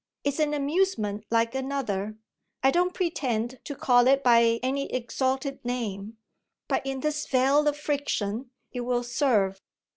It's an amusement like another I don't pretend to call it by any exalted name, but in this vale of friction it will serve.